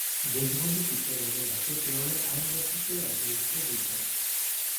দেশবন্ধু চিত্তরঞ্জন দাশের প্রেরণায় আইন ব্যবসা ছেড়ে রাজনীতিতে যোগ দেন।